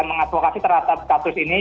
mengadvokasi terhadap status ini